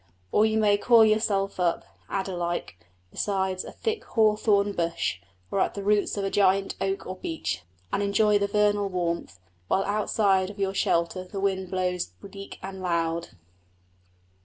Or you may coil yourself up, adder like, beside a thick hawthorn bush, or at the roots of a giant oak or beech, and enjoy the vernal warmth, while outside of your shelter the wind blows bleak and loud.